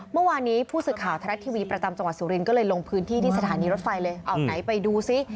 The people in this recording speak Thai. เมื่อวานนี้ผู้สื่อข่าวทรัฐทีวีประจำจังหวัดสุรินทร์ก็เลยลงพื้นที่ที่สถานีรถไฟเลยเอาไหนไปดูซิ